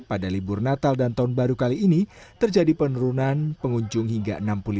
pada libur natal dan tahun baru kali ini terjadi penurunan pengunjung hingga